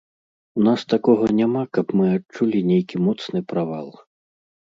У нас такога няма, каб мы адчулі нейкі моцны правал.